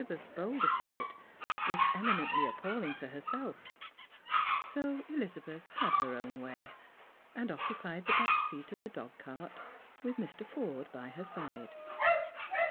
beth's bolder spirit was eminently appalling to herself. So Elizabeth had Strangers and Pilijrims. 53 her own wa}', and occupied the back seat of the dogcart, witt Mr. Forde by her side.